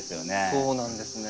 そうなんですね。